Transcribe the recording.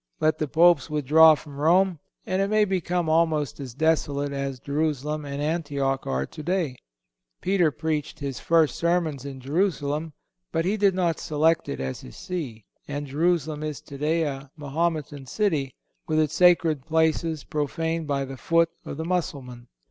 Let the Popes withdraw from Rome, and it may become almost as desolate as Jerusalem and Antioch are today. Peter preached his first sermons in Jerusalem, but he did not select it as his See; and Jerusalem is today a Mahometan city, with its sacred places profaned by the foot of the Mussulman.